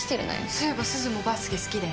そういえばすずもバスケ好きだよね？